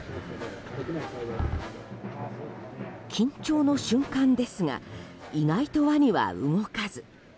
緊張の瞬間ですが意外とワニは動かず。